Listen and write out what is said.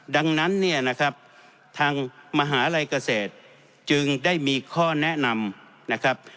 ดังนั้นเนี่ยนะครับทางมหาลัยเกษตรจึงได้มีข้อแนะนำนะครับ